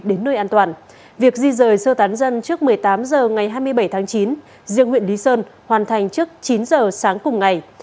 đến nơi an toàn việc di rời sơ tán dân trước một mươi tám h ngày hai mươi bảy tháng chín riêng huyện lý sơn hoàn thành trước chín giờ sáng cùng ngày